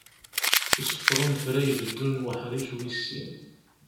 Iṣeffer unefray beddu n uḥric wis sin.